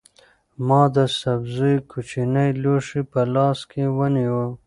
ما د سبزیو کوچنی لوښی په لاس کې ونیو.